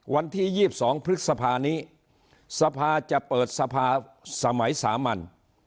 วันที่๒๒พฤษภานี้สภาจะเปิดสภาสมัยสามัญ